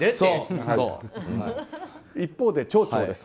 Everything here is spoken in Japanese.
一方で、町長です。